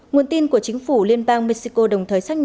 nguồn tin của chính phủ liên bang mexico đồng thời xét nghiệm